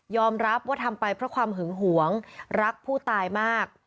รับว่าทำไปเพราะความหึงหวงรักผู้ตายมาก